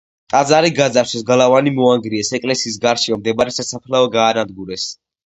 ტაძარი გაძარცვეს, გალავანი მოანგრიეს, ეკლესიის გარშემო მდებარე სასაფლაო გაანადგურეს.